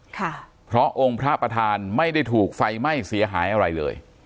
ค่ะเพราะองค์พระประธานไม่ได้ถูกไฟไหม้เสียหายอะไรเลย